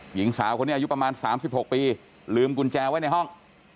หญิงสาวคนนี้อายุประมาณ๓๖ปีลืมกุญแจไว้ในห้อง